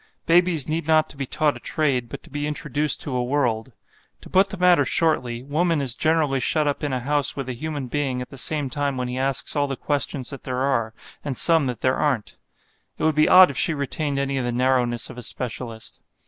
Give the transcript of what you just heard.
Babies need not to be taught a trade, but to be introduced to a world. To put the matter shortly, woman is generally shut up in a house with a human being at the time when he asks all the questions that there are, and some that there aren't. It would be odd if she retained any of the narrowness of a specialist.